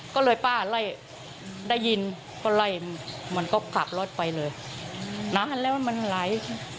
ก็เลยป้าไล่ได้ยินก็ไล่มันก็ขับรถไปเลยนานแล้วมันไหล